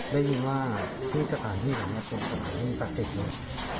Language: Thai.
เรื่อยว่าพี่จะปากไม่อย่างเล่มแล้วผมก็แสบ